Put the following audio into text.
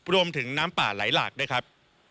รวมถึงน้ำป่าไหลหลากด้วยครับ